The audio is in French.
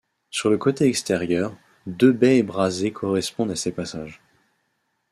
Sur le côté extérieur, deux baies ébrasées correspondent à ces passages.